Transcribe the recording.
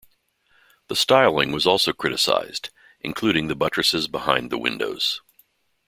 The styling was also criticised, including the buttresses behind the windows.